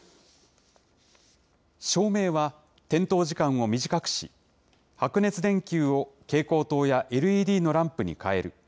照明は、点灯時間を短くし、白熱電球を蛍光灯やＬＥＤのランプに変える。